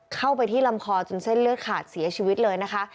เข้าไปที่ลำคอจนเส้นเลือดขาดเสียชีวิตเลยนะคะ